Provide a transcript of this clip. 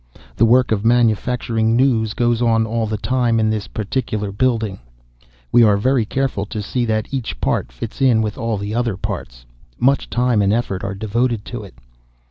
The work of manufacturing news goes on all the time in this particular building. We are very careful to see that each part fits in with all the other parts. Much time and effort are devoted to it."